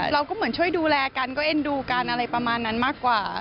เราก็เหมือนช่วยดูแลกันก็เอ็นดูกันอะไรประมาณนั้นมากกว่า